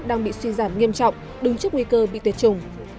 đang bị suy giảm nghiêm trọng đứng trước nguy cơ bị tuyệt chủng